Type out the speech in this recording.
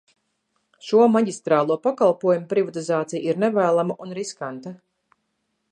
Šo maģistrālo pakalpojumu privatizācija ir nevēlama un riskanta.